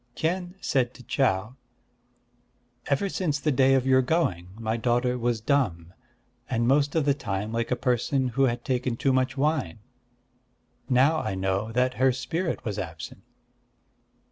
Kien said to Chau: "Ever since the day of your going, my daughter was dumb, and most of the time like a person who had taken too much wine. Now I know that her spirit was absent."